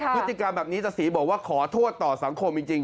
พฤติกรรมแบบนี้ตะศรีบอกว่าขอโทษต่อสังคมจริง